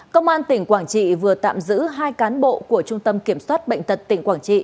công an tỉnh quảng trị vừa tạm giữ hai cán bộ của trung tâm kiểm soát bệnh tật tỉnh quảng trị